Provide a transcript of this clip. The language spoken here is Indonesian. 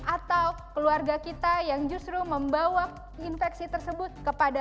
atau keluarga kita yang justru membawa infeksi tersebut kepada